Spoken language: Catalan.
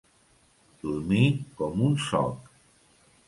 Dormir com un soc.